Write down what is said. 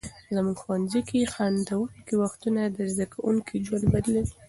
زموږ ښوونځي کې خندونکي وختونه د زده کوونکو ژوند بدلوي.